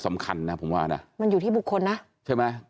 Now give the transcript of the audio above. สำคัญนะผมว่านะมันอยู่ที่บุคคลนะใช่ไหม